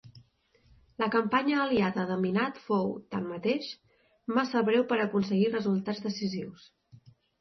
La campanya aliada de minat fou, tanmateix, massa breu per aconseguir resultats decisius.